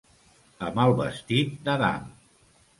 Amb el vestit d'Adam.